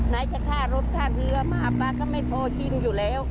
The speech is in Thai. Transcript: ไหนจะค่ารถค่าเรือมาปลาก็ไม่พอกินอยู่แล้ว